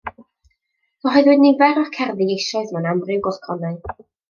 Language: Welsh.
Cyhoeddwyd nifer o'r cerddi eisoes mewn amryw gylchgronau.